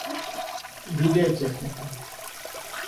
Видеотехника